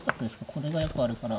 これがやっぱあるから。